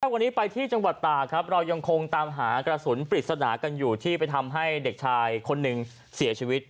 วันนี้ไปที่จังหวัดตากครับเรายังคงตามหากระสุนปริศนากันอยู่ที่ไปทำให้เด็กชายคนหนึ่งเสียชีวิต